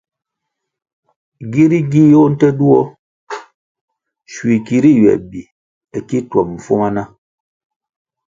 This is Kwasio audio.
Giri giyoh nte duo, schui kiri ywe bi ki twom mfuma na?